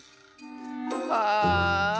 ああ。